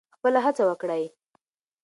خپله هڅه وکړئ.